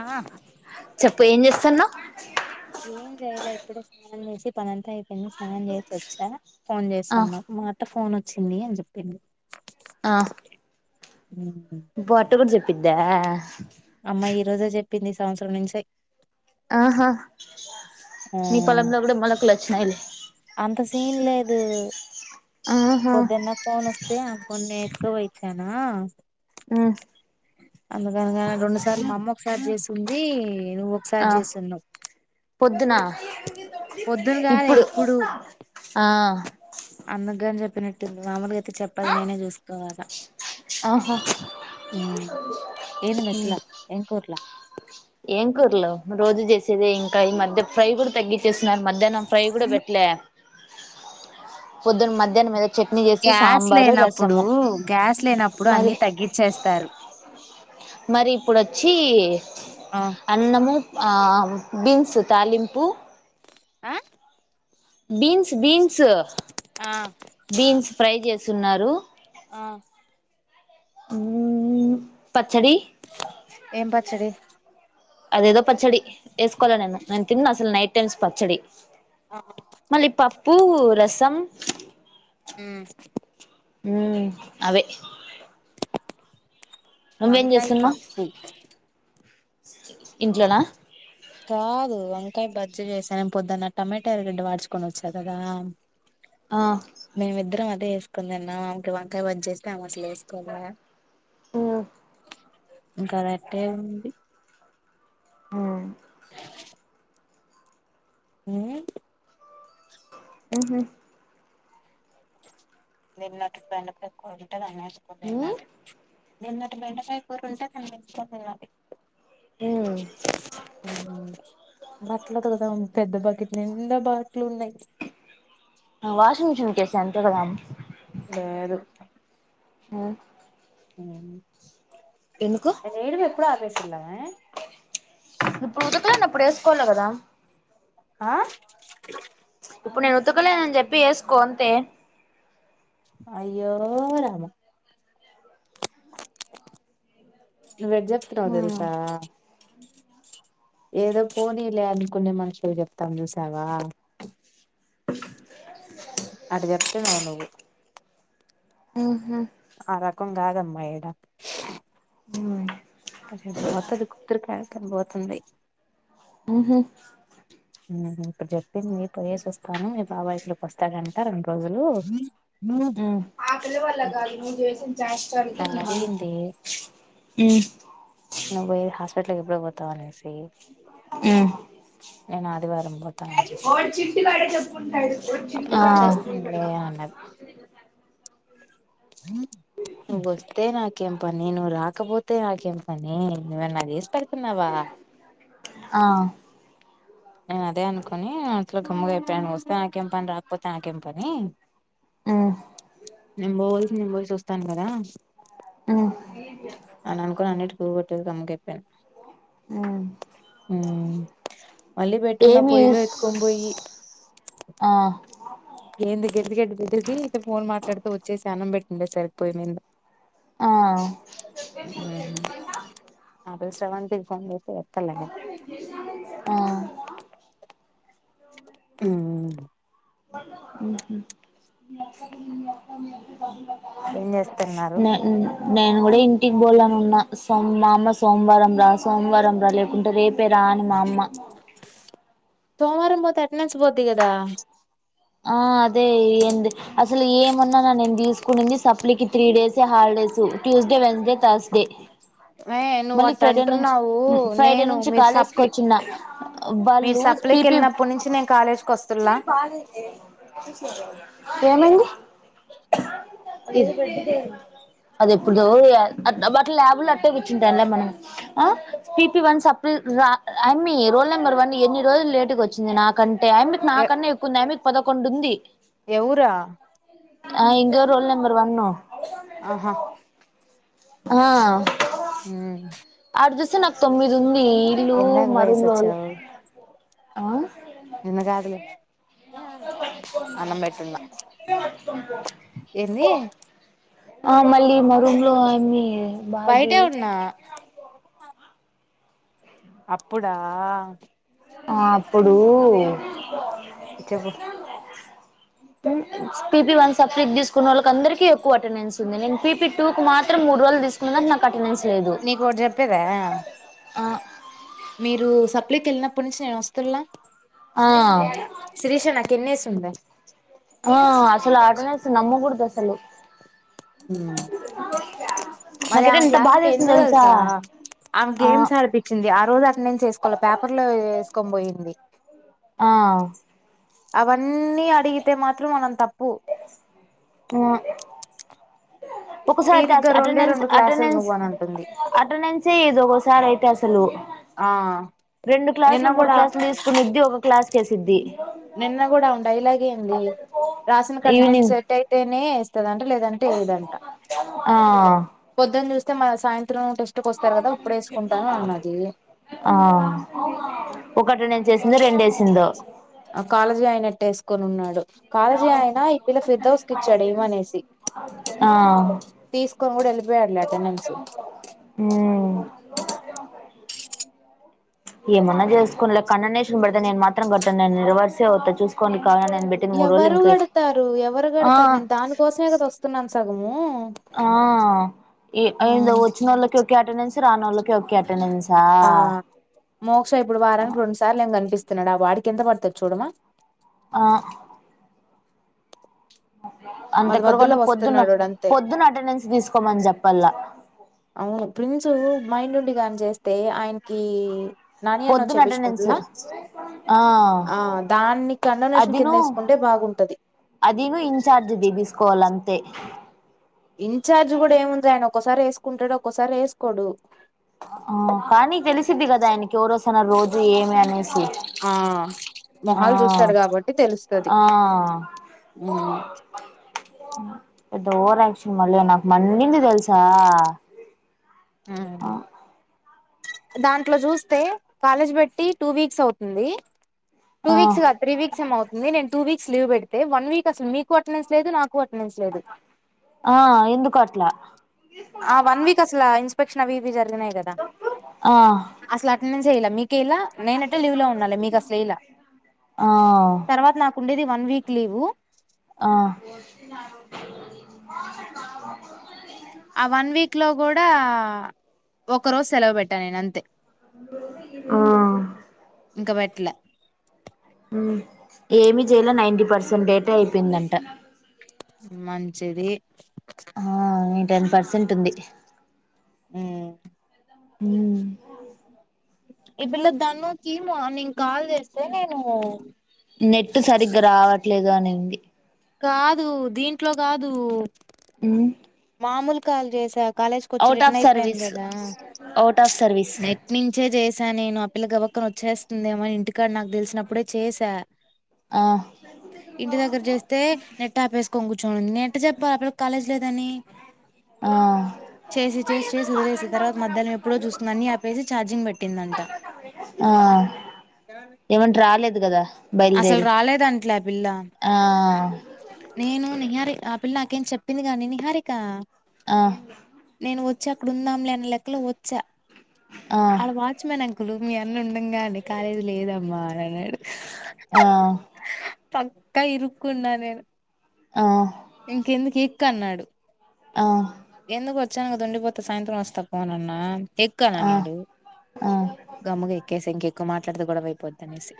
ఆ తన్న ఏం చేయలే ఇప్పుడే స్నానం చేసి పనంతా అయి నేను స్నానం చేసి వచ్చా ఫోన్ ఆ చేస్తున్నావ్ మా అత్త ఫోను వచ్చింది అని చెప్పింది ఆ [unintelligible] ప్పిద్దా అమ్మాయి ఈ రోజే చెప్పింది ఈ సంవత్సరం నుంచే ఆహా ఆ మీ పలం ద ఒకడ మన కల అంత సీన్ లేదు అ ఆహా పోదన్నా ఫోన్ వస్త ప నక వైచ్చ నా ఆ అందుకనగాని రెండు సార్లు మా అమ్మ ఒకసారి చేసింది నేను ఒకసారి ఆ చేస్తున్నా పొద్దున పొద్దును కాదే ఇప్పుడు ఆ అందుకుగాని చెప్పినట్టుంది మామూలుగైతి చెప్పది నేనే చూసుకోవాలా ఆహా ఊ ఏంది మెస్లా ఎం కూర ఏం కూరలో రోజు చేసేదే ఇంకా ఈ మధ్య ఫ్రై కూడా తగ్గించేస్ న మధ్యాహ్నం ఫ్రై కూడా పెట్లే మధ్యాహ్నం ఏదో చట్నీ చేసి గ్యాస్ సాంబారు లేనప్పుడు రసము గ్యాస్ లేనప్పుడు మరి అన్ని తగ్గించేస్తారు మరి ఇప్పుడు ఒచ్చి ఆ అన్నము బీన్సు తాలింపు ఆ బీన్స్ బీన్స్ బీ ఆ బీన్స్ ఫ్రై చేస్ సున్నారు ఆ ఊ పచ్చడి ఏం పచ్చడి అదేదో పచ్చడి తెలుసు పచ్చడి మళ్ళీ పప్పు రసం ఉమ్ ఉమ్ అదే వంకాయ పప్పు ఇంట్లోనా కాదు వంకాయ బజ్జి చేసానం పొద్దున్న టమాటా ఎరగడ్డ వాడుచుకొని వచ్చా కదా ఆ మేమిద్దరం అద వేసుకుంద అన్న ఆమెకి వంకాయ బజ్జి వేస్తే అమె అసలు వేసుకోదు ఉమ్ ఇంకా రెటే ఏ ఉంది హ ఉమ్ హు హు నిన్నా అటు బెండకాయ కూర ఉండే న్సుకుంట మ్మ్ తినది నిన్నటి బెండకాయ కూర ఉంటే తినిపించ తినాలి మ్మ్ బట్ల కదా పెద్దబకిట్ ఎండ బట్టలు ఉన్నాయి ఆ వాషింగ్ మెషీన్ కేదం పెడదాం లేదు ఉమ్ ఉమ్ ఎ ఏడుపు ఎప్పుడ ఆపేసిందమే ఇప్పుడు ఉతకలేనప్పుడు ఏసుకోవాలి కదా ఆ ఇప్పుడు నేను ఉతకలేనని చెప్పి ఏసుకో అంతే అయ్యో రామ నువు ఎట్లా చెప్తున్నావ్ మ్మ్ తెల్సా ఏదో పోనీలే అనుకునే మనుషులు చెప్తాం చూసావా అటు చెప్తున్నావు నువ్వు ఉ హ్ అ రకం కాదమ్మా ఇడా ఉమ్ అరె బత అది కుకరకాయ తం బోతుంది హ్ హు హ్ హ్ ప్రజా తె మీ పోయేసి వస్తాను మీ బాబాయి కి వస్తాడంట రెండు రోజులు హ్ ఆ పిల్ల వల్ల గా దు నువు చేసిన చష్టలకి నన్ను అడిగింది హ్ తనేస్ హ్ మేము అదివారం అప్పటికి వచ్చేస్తానులే అన్నది హా నువ్ వస్తే నాకేంపనీ నువ్వు రాకపోత్ [unintelligible] కానీ నువ్వన్నా చేసి పెడుతున్నావా ఆ మేం అదే అనుకుని సో కమ్మగా అయిపోయాన వస్తే ఆయన కేం పని రాకపోతే ఆయానా కేం పని హ్ నేన్ పోవల్సింది నేను పోయి చూస్తాన్ గాదా హా అనుకుని [unintelligible] ఉమ్ వేట్టున్న పొయ్యిలో ఎత్తుకొన్ బోయ్యి ఆ ఏంది గడ్ది గడ్డి పెట్టేసి ఇత్త ఫోన్ మాట్లాడు పోతె వచ్చేసి అన్నం పెట్టుండి సరిపోయింది. ఆ నిన్న డు శవంతంత ఫోన్తే ఎక్కలగా ఆ ఆ అ మీ ఎప్ప అ మీ ఏం చేస్తున్నారు నేను కూడా ఇంటికి బోల్ను ఉన్నా సో మా అమ్మ సోమవారం రా సోమవారం రా లేకుంటే రేపు పే రానుమా అమ్మా సోమవారం పోతే అటెండెన్స్ పోద్ది కదా ఆ అదే ఏంది అసలు ఏమున్నా నేను తీసుకునింది సప్లికి three days holidays Tuesday Wednesday Thursday ఏ నువ్వు మళ్ళీ అట్ట ఫ్రైడే నుంచి అంటున్నావు ఫ్రైడే నేను నుంచి మీరు కాాల సప్లి వేసుకొచ్చిన మీరు బళ్ళు సప్లికి పపి వెళ్ళినప్పటి నుంచి నేను కాలేజ్కి వస్తుల్లా ఏమంది అది ఎప్పుడు అ బట్ ల్యాబులు అట్టే మనపిన్ రోల్ నెంబర్ వన్ ఎన్ని రోజులు లేటు వచ్చింది నాకంట అ నా క ఎక్కుంది పదకొండు ఉంది ఎవ్వరా ఆ ఇంగ రోల్ నంబర్ వన్న ఆహా ఆా హ ే నాకు తొమ్మిది ఉ ఇ ఇల్లు ఎందాక పోయేసి మరులులు ఆ నిన్ను కాదులే అన్నం పెట్టున్నా ఏంది ఆ మళ్లీ మీ రూమ్లో బాగ బయటే ఉన్నా అప్పుడా ఆ అప్పుడు చెప్పు పిపీ వన్ సబ్ ఫ్రిజ్ తీసుకునే వాళ్ళకి అందరిక ఎక్కువ అటెండెన్స్ ఉంది నేను పిపీ టూత్ర మూడు రోజులు తీసుకున్న నాకు అటినెన్స్ లేదు నీకు ఒకటి చెప్పేదా పెళ్ళి కి వెళ్ళినప్పుడు నుంచిినే వస్త లే ఆ శిరిష నా పిన్నెస్ ఉంధా ఆ ఆసలు ఆ అటెండెన్స్ నమ్ముకుడధాసలు ఉమ్ మరి నాకైతే ఆమె ఎంత బాధ క్లాసుకి వేసింది ఎన్నో తెలుసా ఆమె ఆ గేమ్స్ ఆడిపిచ్చింది. ఆ రోజు అటెనెన్స్ ఏసుకోల పేపర్ లొ ఏస్ కొని పోయింది. ఆ అవన్నీ అడిగితే మాత్రం మనం తప్పు ఆ ఒక్కసారి ఐతే తీరిగ్గా అట రెండే అటెనెన్స్ రెండు క్లాసులు అటెనెన్స్ నువ్వు అని అంటుంది అటెనెన్సె ఎయ్యదు ఒగోసా సార్ అయితే అసలు ఆ రెండు నిన్న క్లాసులు మూడు కూడా క్లాసులు తీసుకొనిద్ది ఒక క్లాస్ కె సిద్ధి నిన్న కూడా ఉంటయి ఇలాగే ఉంది. రాసిన కంటెంట్ ఈవినింగ్ సెట్ అయితేనే ఇత్తదంట లేదంటె లేదంట. ఆ పొద్దున్ చుస్ థె మరి సాయ అన్నది ఆ ఒకటి నేను చేసింది రెండ ఏసిందో కొనున్నాడు కాలేజీ అయినా ఈ పిల్ల ఫిర్దౌస్కిచ్చాడు ఇమనేసి ఆ తీసుకొని కూడా వెళ్ళిపోయాడులే అటెనెన్స్ ఉమ్ ఏమన్నా చేసుకోనిలే కన్న నేషన్ బెడితె నెన్ మాత్రం కట్ నేను రివర్స్ఎ అవుతా చూసుకోని ఎవరు పెడతారు ఎవరు ఆ పెడతారు నేను దానికోసమే కద వస్తున్నాను సు సగము ఆ ఇ అయింద వచ్చినోళ్ళకి ఒకె అటెనెన్స్ రానోళ్ళక్ ఆ మోక్షం ఎప్పుడు వారానికి రొండు సార్లు అయింది నన్ని చూసి తిన్నాడా వాడికి ఎంత పడుతాది చూడమ్మ ఆ మధ్య అంతెక్కడకంటే మధ్యలో పొద్దున్న వస్తున్నాడు వాడు అంతే పొద్దున్న అటెనెన్స్ తీసుకోమని చెప్పల్లా అవును ప్రిన్సు మైండ్ ఉండి కాని చేస్తే ఆయనకి నాని అన్న పొద్దున అటెనెన్స్ చేపించుకుంటులా ఆ ఆ దాన్ని కండోనేషన్ కింద అదిను వేసుకుంటే బాగుంటది అదిను ఇన్చార్జ్ది తీసుకోవాలం తె ఇన్ఛార్జ్ కూడ ఏముంది ఆయన ఒక్కోసారి ఏసు కుంటాడు ఒక్కోసారి ఏసుకోడు. ఆ కానీ తెలిసిద్ది కదా ఆయనకి ఎవరు వస్తన్నారు రోజు ఏమి అనేసి ఆ ఆ మొహాలు చూస్తాడు కాబట్టి తెలుస్తది. ఆ ఉ పెద్ద ఓవర్ ఆక్చన్ మళ్ళీ నాకు మండింది తెలుసా హు దాంట్లో చూస్తే కాలేజీ పెట్టి టూ వీక్స్ అవుతుంది టూ ఆ వీక్స్ కదు త్రీ వీక్స్ ఏమొఅవుతుంది నేను టూ వీక్స్ లీవ్ పెడితే వన్ వీక్ అసలు మీకు అటెండెన్స్ లేదు నాకు అట్ ఆ ఎందుకట్లా ఆ వన్ వీక్ అసలాన్ పెక్షనా అవి ఇవి జరి నాయి కదా ఆ అసలు మీకు ఓకేలా నేనంటే లీవ్ లో ఉండాలి మీకు అసలు ఇలా ఆ తర్వాత నాకుండేది వన్ వీక్ లీవు్ ఆ ఇంట్లో కూడా ఒకరోజు సెలవు పెట్టాను నేను అంతే ఆ పట్లా ఏమి చేయలో నైంటీ పర్సెంట్ డేటా అయిపోయిందంట మంచిది ఆ టెన్ పర్సెంట్ ఉంది హు హ ఈ పిల్ల దన్న కీమో నీను కాల్ చేస్తా తనేను నెట్ సరిగ్గా రావట్లేదు అని కాదు దీంట్లో కాదు అవు మాములు కాాల్ చేసక కాలేజ్కి వచ్చి అవుట్ ఆఫ్ రిటర్న్ అయిపోయాను సర్వీస్ కదా అవుట్ ఆఫ్ సర్వీస్ నెట్ నుంచే చేశాను నేను ఆ పిల్లగవ అక్కన వచ్చేస్తుందేమని ఇంటికాడ నాకు తెలిసినప్పుడే చేసా ఆ ఇంటి దగ్గర చేస్తే నెట్ ఆపేసుకోొని కూర్చోని నెట్ చెప్పాలి కాలేజ్ లేదని ఆ చేసి చేసి చేసి కుదిరేసి తర్వాత మధ్యాహ్నం ఎప్పుడో చూసు పని ఆపేసి ఛార్జింగ్ పెట్టిందట ఆ ఆ అసలు రాలేదంలే ఆ పిల్ల ఆ నేను నిహారిక ఆ పిల్ల నా కేను చెప్పింది గాని నిహారిక ఆ నేను వచ్చా అక్కడ ఉందాం లేన్న లెక్కలో వచ్చా ఆ ఆళ్ళ వాచ్మెన్ కులు మీ అన్న ఉండంగానే కాలేజ్ లేదమ్మా అని అన్నాడు ఆ చక్క ఇరుక్కున్నా నేను ఆ ఇంక ఎందుకే కన్నాడు ఆ అచ్చంగా అది ఉండిపోతే సాయంత్రం వస్తా పోనన్నా ఎక్కాల ఆ అన్నాడు ఆ గమ్మగ ఎక్కేసా ఇంకే ఇక మాట్లాడితే గొడవై పొద్దనేసి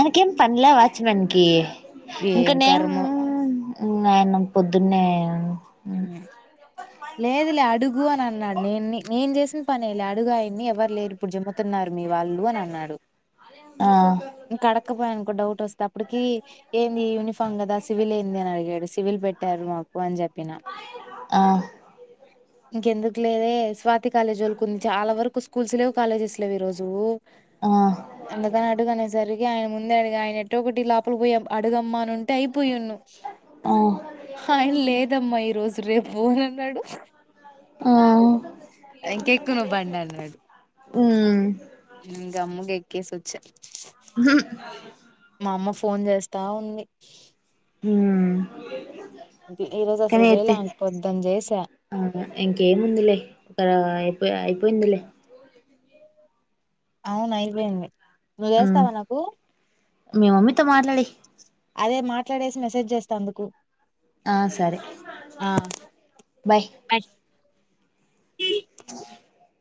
ఆమ్కేం పన్లేదా చ్ నంకి ఇంకా ఏం నేను కర్మో ఇంగ ఆయన పొద్దున్నే హ్మ్ లేదులే అడుగ్ గు అని అన్నాడు నే నే నేను చేసిన పనే లే అడుగాయన్ని ఎవరు లేరు ఇప్పుడు జిమ్ముతున్నారు మీ వాళ్ళు అని అన్నాడు ఆ ఇంక అడక్కపోయనకో డౌట్ వస్ తప్పటికి ఏంది యూనిఫామ్ కదా సివిల్ ఏంది అని అడిగాడు సివిల్ పెట్టారు మాకు అని చెప్పిన ఆ ఇంకెందుకు లేదే స్వాప్ కుంతి కాలేజ్ ఓల్కు ఉం చాలా వరకు స్కూల్స్ లేవు కాలేజెస్ లెవ్ ఈ రోజు ఆ ఆ ఎందుకని అడిగాన్ పరిగే ఆయన ముందరడీగా ఆయన ఎట్టా కొట్టిలా [unintelligible] అడుగమ్మా అని ఉంటే అయిపోయిన్ను ఆయన లేదమ్మా ఈ రోజు రేపు నన్నాడు ఓ ఇంకెక్కు నువ్ బండన్నాడు హ్మ్ మ్మ్ గంమ్గ్ ఎక్కేసోచ్చ అమ్మ ఫోన్ జేస్తా ఉంది ఉం ఈ రోజు అసలు చేయలే కానియితే ఆమెకి పొద్దున చేసా ఇ ఇంకేముందిలే తర అయి ఇంద్ లే అవునయిపోయింది ఉ మీ మమ్మీతో మాట్లాడి అదే మాట్లాడేసి మెసేజ్ చేస్తా అందుకు ఆ సరే ఆ బయ్ [inaudible]